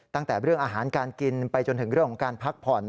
ตั้งแต่เรื่องอาหารการกินไปจนถึงเรื่องของการพักผ่อน